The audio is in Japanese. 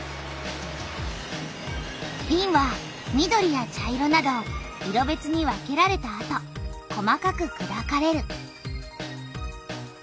びんは緑や茶色など色べつに分けられたあと細かくくだかれる。